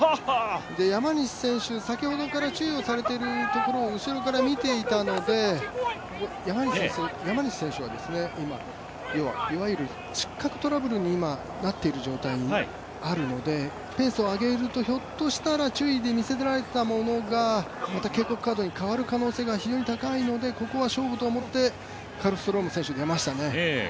山西選手、先ほどから注意されているところを後ろから見ていたので山西選手が今、いわゆる失格トラブルになっている状態にあるのでペースを上げるとひょっとしたら注意で見せられたものがまた警告カードに変わる可能性が非常に高いのでここは勝負と思ってカルストローム選手出ましたね。